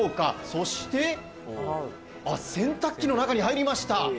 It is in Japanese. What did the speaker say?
そして、洗濯機の中に入りました。